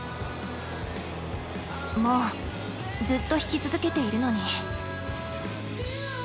もうずっと弾き続けているのに。